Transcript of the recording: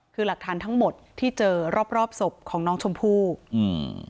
คือหลักฐานทั้งหมดที่เจอรอบรอบศพของน้องชมพู่อืม